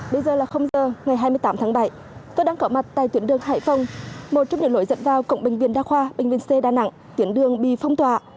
bây giờ là giờ ngày hai mươi tám tháng bảy tôi đang có mặt tại tuyến đường hải phòng một trong những lỗi dẫn vào cộng bệnh viện đa khoa bệnh viện c đà nẵng tuyến đường bị phong tỏa